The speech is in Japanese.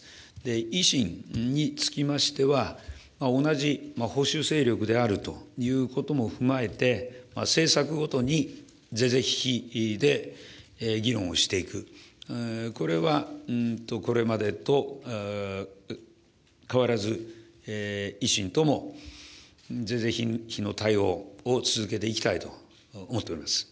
維新につきましては、同じ保守勢力であるということも踏まえて、政策ごとに、是々非々で議論をしていく、これは、これまでと変わらず、維新とも是々非々の対応を続けていきたいと思っております。